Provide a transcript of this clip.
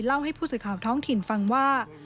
เล่าให้ผู้สื่อข่าวท้องถิ่นฟังว่า